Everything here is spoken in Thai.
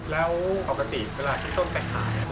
แล้วปกติเวลาที่ต้นไปขาย